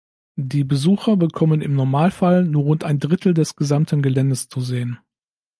Die Besucher bekommen im Normalfall nur rund ein Drittel des gesamten Geländes zu sehen.